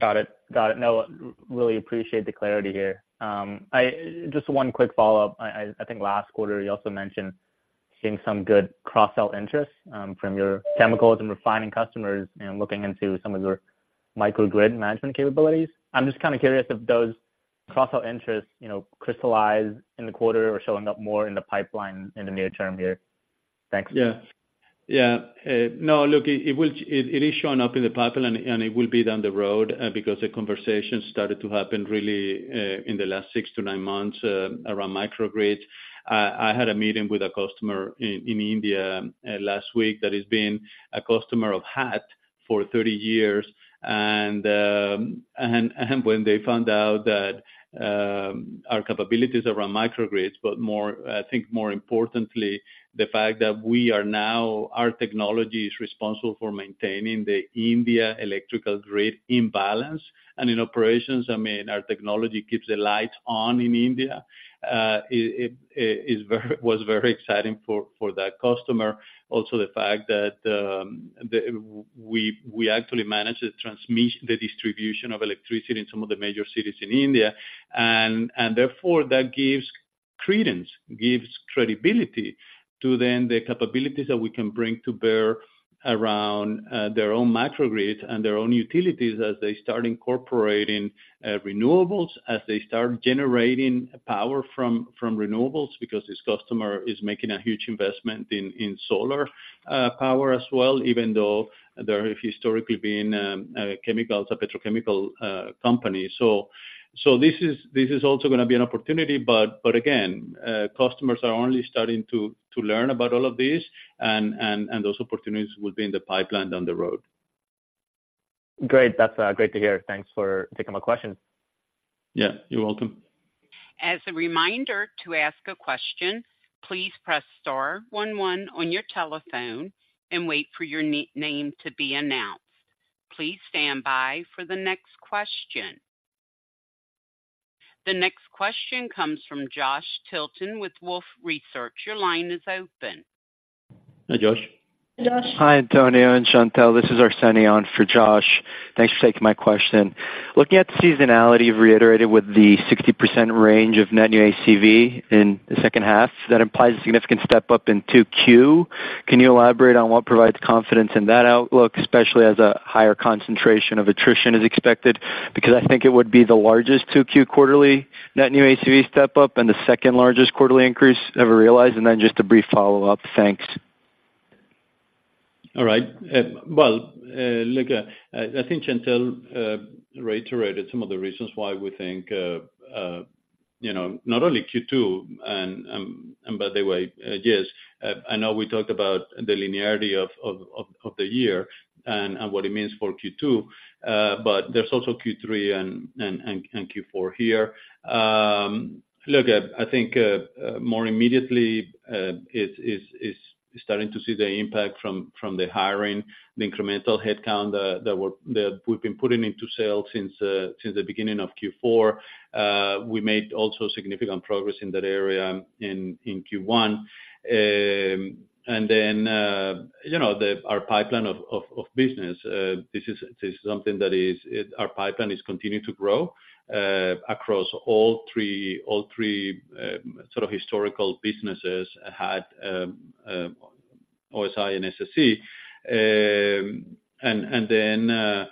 Got it. Got it. No, really appreciate the clarity here. Just one quick follow-up. I think last quarter, you also mentioned seeing some good cross-sell interest from your chemicals and refining customers and looking into some of your Microgrid management capabilities. I'm just kind of curious if those cross-sell interests, you know, crystallize in the quarter or showing up more in the pipeline in the near term here. Thanks. Yeah. Yeah. No, look, it is showing up in the pipeline, and it will be down the road, because the conversation started to happen really in the last 6-9 months around microgrids. I had a meeting with a customer in India last week that has been a customer of HAT for 30 years. And when they found out that our capabilities around microgrids, but more, I think more importantly, the fact that we are now, our technology is responsible for maintaining the India electrical grid in balance and in operations, I mean, our technology keeps the lights on in India. It was very exciting for that customer. Also, the fact that we actually manage the distribution of electricity in some of the major cities in India, and therefore, that gives credence, gives credibility to the capabilities that we can bring to bear around their own microgrid and their own utilities as they start incorporating renewables, as they start generating power from renewables, because this customer is making a huge investment in solar power as well, even though they've historically been chemicals, a petrochemical company. So this is also gonna be an opportunity, but again, customers are only starting to learn about all of this, and those opportunities will be in the pipeline down the road.... Great, that's great to hear. Thanks for taking my question. Yeah, you're welcome. As a reminder, to ask a question, please press star one one on your telephone and wait for your name to be announced. Please stand by for the next question. The next question comes from Josh Tilton with Wolfe Research. Your line is open. Hi, Josh. Hi, Josh. Hi, Antonio and Chantelle. This is Arsenije for Josh. Thanks for taking my question. Looking at the seasonality, you've reiterated with the 60% range of net new ACV in the second half, that implies a significant step-up in 2Q. Can you elaborate on what provides confidence in that outlook, especially as a higher concentration of attrition is expected? Because I think it would be the largest 2Q quarterly net new ACV step-up and the second-largest quarterly increase ever realized. And then just a brief follow-up. Thanks. All right. Well, look, I think Chantelle reiterated some of the reasons why we think, you know, not only Q2, and by the way, yes, I know we talked about the linearity of the year and what it means for Q2, but there's also Q3 and Q4 here. Look, I think more immediately is starting to see the impact from the hiring, the incremental headcount that we've been putting into sales since the beginning of Q4. We made also significant progress in that area in Q1. And then, you know, our pipeline of business, this is something that is, our pipeline is continuing to grow across all three sort of historical businesses, HAT, OSI, and SSE. And then,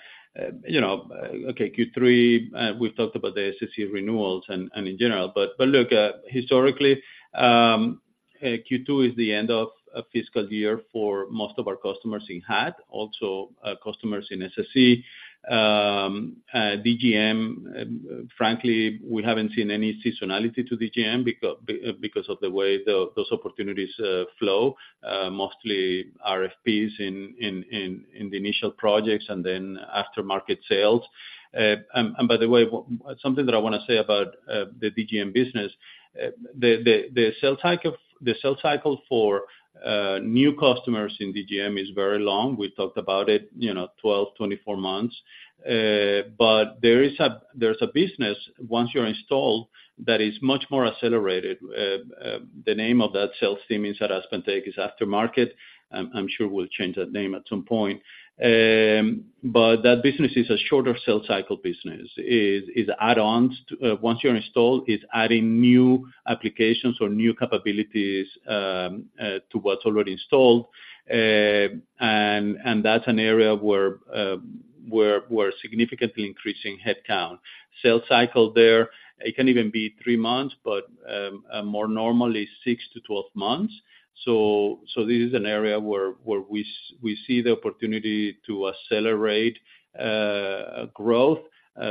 you know, okay, Q3, we've talked about the SSE renewals and in general. But look, historically, Q2 is the end of a fiscal year for most of our customers in HAT, also customers in SSE. DGM, frankly, we haven't seen any seasonality to DGM because of the way those opportunities flow, mostly RFPs in the initial projects and then after-market sales. By the way, something that I wanna say about the DGM business, the sales cycle for new customers in DGM is very long. We talked about it, you know, 12-24 months. But there is a business once you're installed that is much more accelerated. The name of that sales team inside AspenTech is Aftermarket. I'm sure we'll change that name at some point. But that business is a shorter sales cycle business. It is add-ons. Once you're installed, it's adding new applications or new capabilities to what's already installed. And that's an area where we're significantly increasing headcount. Sales cycle there, it can even be 3 months, but more normally, 6-12 months. So this is an area where we see the opportunity to accelerate growth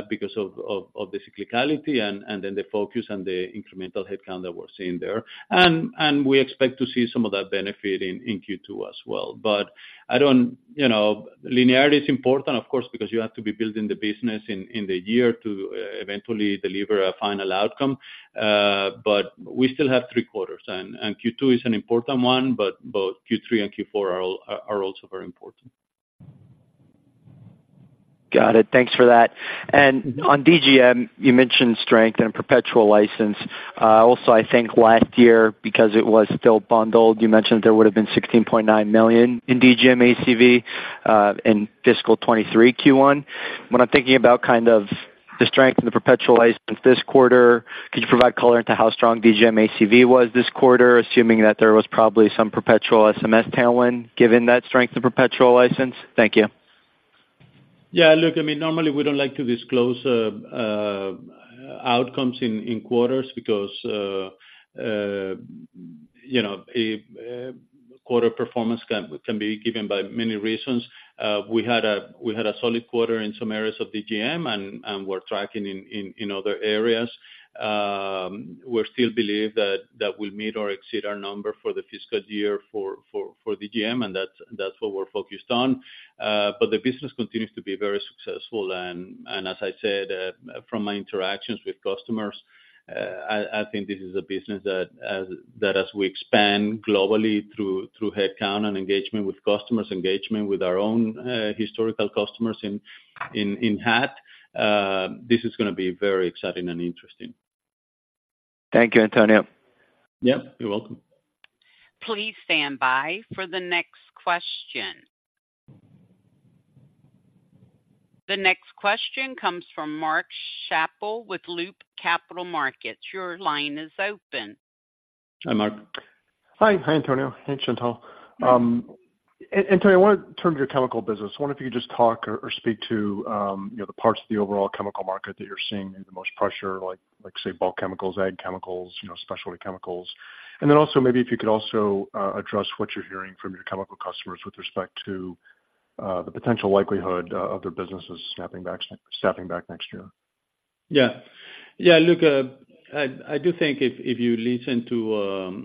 because of the cyclicality and then the focus and the incremental headcount that we're seeing there. And we expect to see some of that benefit in Q2 as well. But I don't... You know, linearity is important, of course, because you have to be building the business in the year to eventually deliver a final outcome. But we still have three quarters, and Q2 is an important one, but both Q3 and Q4 are also very important. Got it. Thanks for that. And on DGM, you mentioned strength and a perpetual license. Also, I think last year, because it was still bundled, you mentioned there would have been $16.9 million in DGM ACV in fiscal 2023 Q1. When I'm thinking about kind of the strength in the perpetual license this quarter, could you provide color into how strong DGM ACV was this quarter, assuming that there was probably some perpetual SMS tailwind, given that strength to perpetual license? Thank you. Yeah, look, I mean, normally we don't like to disclose outcomes in quarters because you know, a quarter performance can be given by many reasons. We had a solid quarter in some areas of DGM, and we're tracking in other areas. We still believe that we'll meet or exceed our number for the fiscal year for DGM, and that's what we're focused on. But the business continues to be very successful, and as I said, from my interactions with customers, I think this is a business that as we expand globally through headcount and engagement with customers, engagement with our own historical customers in HAT, this is gonna be very exciting and interesting. Thank you, Antonio. Yep, you're welcome. Please stand by for the next question. The next question comes from Mark Schappell with Loop Capital Markets. Your line is open. Hi, Mark. Hi. Hi, Antonio. Hey, Chantelle. Antonio, I wanna turn to your chemical business. I wonder if you could just talk or speak to, you know, the parts of the overall chemical market that you're seeing the most pressure, like, say, bulk chemicals, ag chemicals, you know, specialty chemicals. And then also maybe if you could also address what you're hearing from your chemical customers with respect to the potential likelihood of their businesses snapping back next year?... Yeah. Yeah, look, I do think if you listen to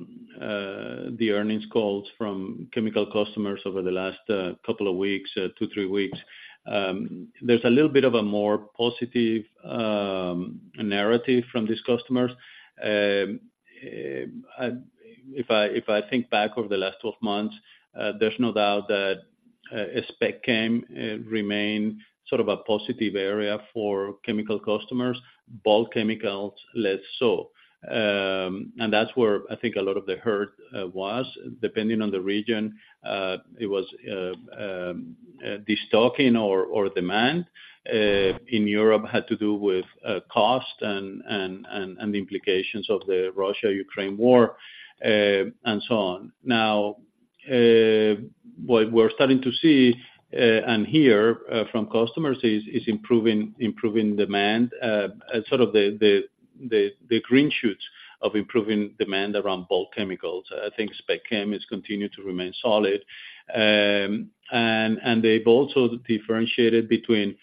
the earnings calls from chemical customers over the last couple of weeks, two, three weeks, there's a little bit of a more positive narrative from these customers. If I think back over the last 12 months, there's no doubt that spec chem remain sort of a positive area for chemical customers, bulk chemicals, less so. And that's where I think a lot of the hurt was, depending on the region, it was destocking or demand in Europe had to do with cost and the implications of the Russia-Ukraine war, and so on. Now, what we're starting to see and hear from customers is improving demand, sort of the green shoots of improving demand around bulk chemicals. I think spec chem has continued to remain solid. And they've also differentiated between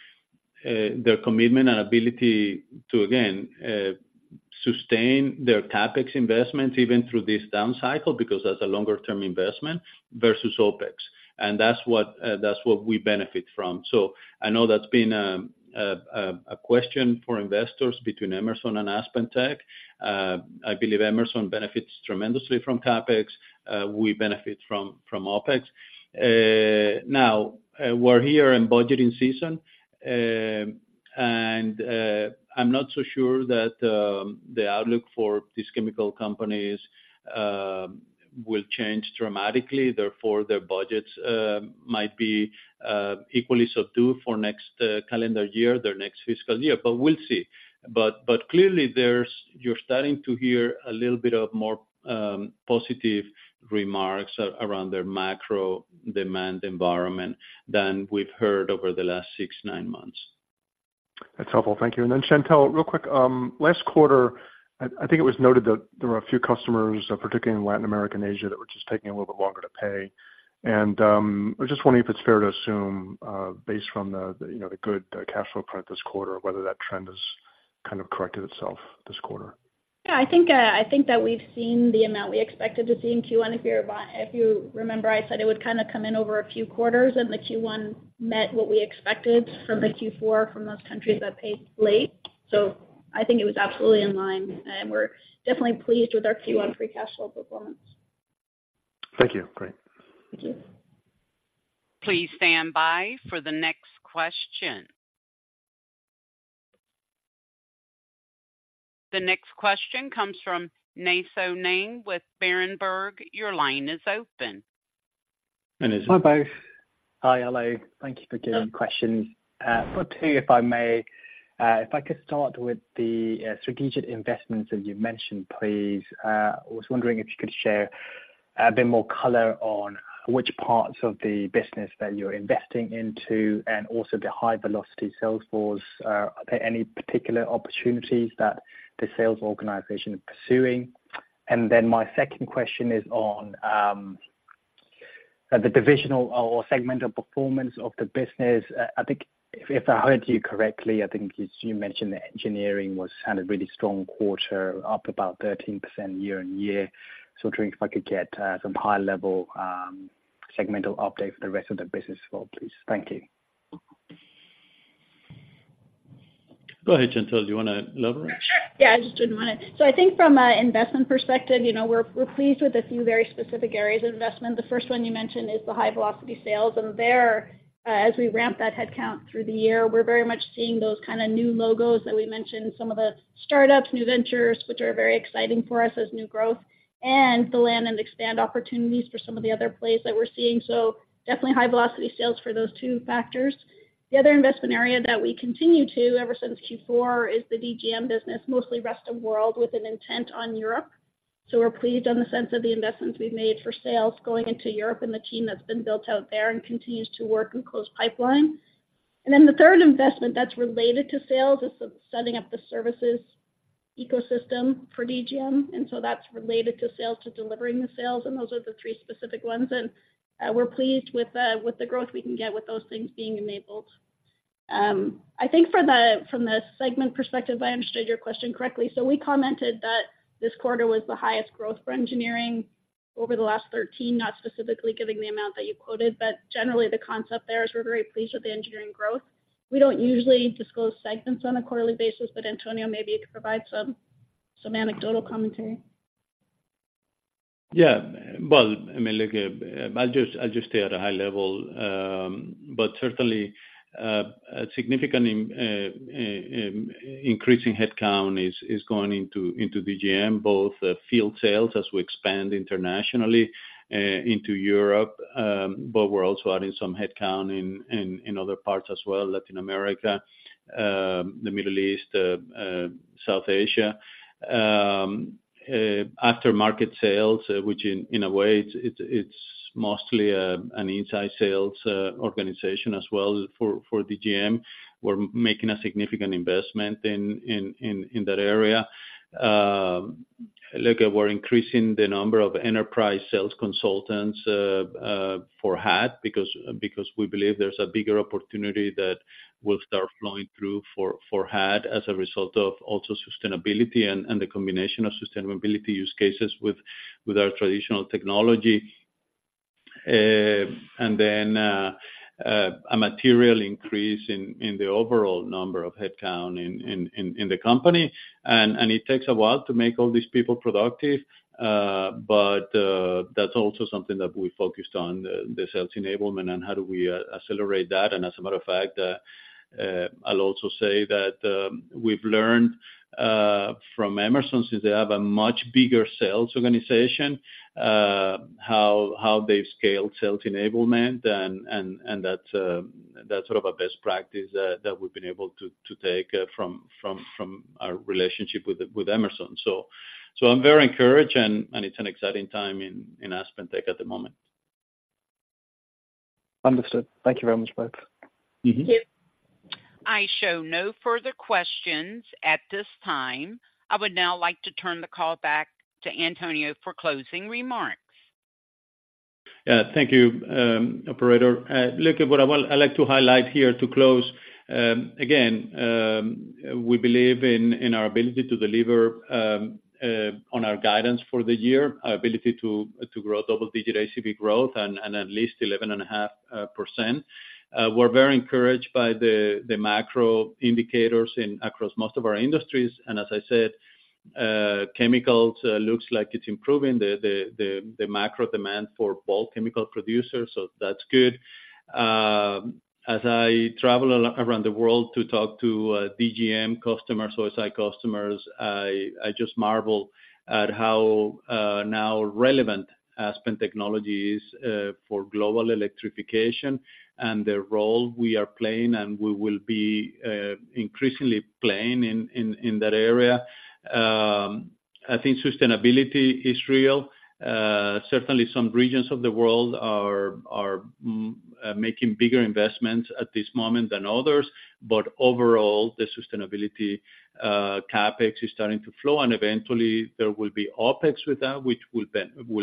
their commitment and ability to again sustain their CapEx investments even through this down cycle, because that's a longer term investment versus OpEx. And that's what we benefit from. So I know that's been a question for investors between Emerson and AspenTech. I believe Emerson benefits tremendously from CapEx. We benefit from OpEx. Now, we're here in budgeting season, and I'm not so sure that the outlook for these chemical companies will change dramatically. Therefore, their budgets might be equally so too for next calendar year, their next fiscal year, but we'll see. But clearly there's—you're starting to hear a little bit more positive remarks around their macro demand environment than we've heard over the last 6-9 months. That's helpful. Thank you. And then, Chantelle, real quick, last quarter, I think it was noted that there were a few customers, particularly in Latin America and Asia, that were just taking a little bit longer to pay. And, I was just wondering if it's fair to assume, based from the, you know, the good, cash flow print this quarter, whether that trend has kind of corrected itself this quarter? Yeah, I think, I think that we've seen the amount we expected to see in Q1. If you remember, I said it would kind of come in over a few quarters, and the Q1 met what we expected from the Q4 from those countries that paid late. So I think it was absolutely in line, and we're definitely pleased with our Q1 Free Cash Flow performance. Thank you. Great. Thank you. Please stand by for the next question. The next question comes from Nay Soe Naing with Berenberg. Your line is open. And is- Hi, both. Hi, hello. Thank you for doing questions. Got two, if I may. If I could start with the strategic investments that you mentioned, please. I was wondering if you could share a bit more color on which parts of the business that you're investing into, and also the High Velocity Sales force. Are there any particular opportunities that the sales organization is pursuing? And then my second question is on the divisional or segmental performance of the business. I think if I heard you correctly, I think you mentioned that Engineering had a really strong quarter, up about 13% year-over-year. So wondering if I could get some high-level segmental update for the rest of the business as well, please. Thank you. Go ahead, Chantelle, do you wanna leverage? Sure. Yeah, I just didn't want it. So I think from an investment perspective, you know, we're, we're pleased with a few very specific areas of investment. The first one you mentioned is the High Velocity Sales, and there, as we ramp that headcount through the year, we're very much seeing those kind of new logos that we mentioned, some of the startups, new ventures, which are very exciting for us as new growth, and the land and expand opportunities for some of the other plays that we're seeing. So definitely High Velocity Sales for those two factors. The other investment area that we continue to, ever since Q4, is the DGM business, mostly rest of world, with an intent on Europe. So we're pleased on the sense of the investments we've made for sales going into Europe and the team that's been built out there and continues to work and close pipeline. And then the third investment that's related to sales is the setting up the services ecosystem for DGM, and so that's related to sales, to delivering the sales, and those are the three specific ones. And we're pleased with the growth we can get with those things being enabled. I think from the segment perspective, I understood your question correctly. So we commented that this quarter was the highest growth for engineering over the last 13, not specifically giving the amount that you quoted, but generally the concept there is we're very pleased with the engineering growth. We don't usually disclose segments on a quarterly basis, but, Antonio, maybe you could provide some anecdotal commentary. Yeah. Well, I mean, look, I'll just, I'll just stay at a high level. But certainly, a significant increasing headcount is going into DGM, both field sales as we expand internationally into Europe, but we're also adding some headcount in other parts as well, Latin America, the Middle East, South Asia. Aftermarket sales, which in a way, it's mostly a, an inside sales organization as well for DGM. We're making a significant investment in that area. Look, we're increasing the number of enterprise sales consultants for HAT, because we believe there's a bigger opportunity that will start flowing through for HAT as a result of also sustainability and the combination of sustainability use cases with our traditional technology. And then a material increase in the overall number of headcount in the company. And it takes a while to make all these people productive, but that's also something that we focused on, the sales enablement and how do we accelerate that. And as a matter of fact, I'll also say that we've learned from Emerson, since they have a much bigger sales organization, how they've scaled sales enablement, and that's sort of a best practice that we've been able to take from our relationship with Emerson. So I'm very encouraged, and it's an exciting time in AspenTech at the moment. Understood. Thank you very much, folks. Mm-hmm. Thank you. I show no further questions at this time. I would now like to turn the call back to Antonio for closing remarks. Thank you, operator. Look, what I want—I'd like to highlight here to close, again, we believe in our ability to deliver on our guidance for the year, our ability to grow double-digit ACV growth and at least 11.5%. We're very encouraged by the macro indicators across most of our industries. And as I said, chemicals looks like it's improving, the macro demand for bulk chemical producers, so that's good. As I travel around the world to talk to DGM customers, OSI customers, I just marvel at how now relevant Aspen Technology is for global electrification and the role we are playing, and we will be increasingly playing in that area. I think sustainability is real. Certainly some regions of the world are making bigger investments at this moment than others, but overall, the sustainability CapEx is starting to flow, and eventually there will be OpEx with that, which will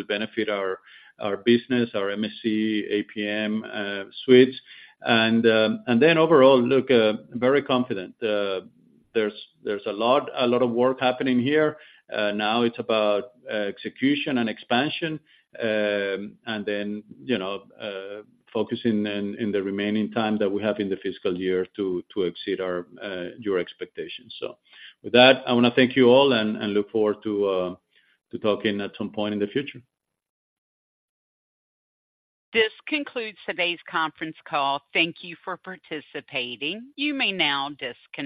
benefit our business, our MSC, APM suites. And then overall, look very confident. There's a lot of work happening here. Now it's about execution and expansion, and then, you know, focusing in the remaining time that we have in the fiscal year to exceed our your expectations. So with that, I wanna thank you all and look forward to talking at some point in the future. This concludes today's conference call. Thank you for participating. You may now disconnect.